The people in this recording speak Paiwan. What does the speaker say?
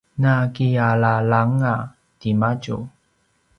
nakialalanganga timadju